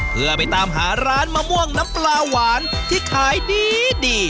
เพื่อไปตามหาร้านมะม่วงน้ำปลาหวานที่ขายดี